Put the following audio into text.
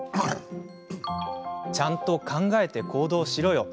ちゃんと考えて行動しろよ。